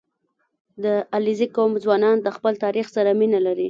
• د علیزي قوم ځوانان د خپل تاریخ سره مینه لري.